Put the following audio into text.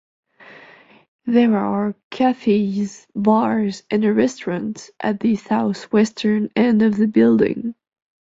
There are cafes, bars and a restaurant at the south-western end of the building.